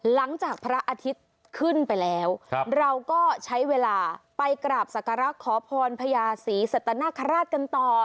หลังจากพระอาทิตย์ขึ้นไปแล้วเราก็ใช้เวลาไปกราบศักระขอพรพญาศรีสัตนคราชกันต่อ